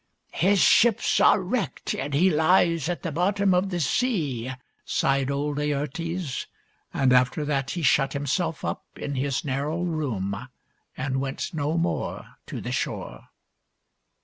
" His ships are wrecked, and he lies at the bottom of the sea," sighed old Laertes ; and after that he shut himself up in his narrow room and went no more to the shore.